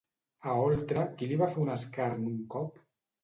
A Oltra, qui li va fer un escarn un cop?